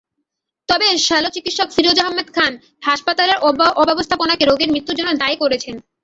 তবে শল্যচিকিৎসক ফিরোজ আহমেদ খান হাসপাতালের অব্যবস্থাপনাকে রোগীর মৃত্যুর জন্য দায়ী করেছেন।